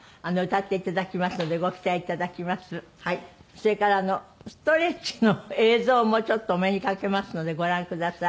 それからストレッチの映像もちょっとお目に掛けますのでご覧ください。